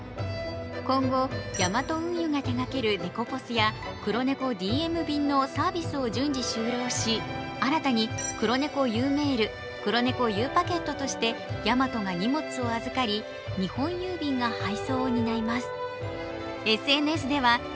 今後、ヤマト運輸が手がけるネコポスやクロネコＤＭ便のサービスを順次終了し、新たにクロネコゆうメール、クロネコゆうパケットとしてヤマトが荷物を預かり日本郵便が配送を担います。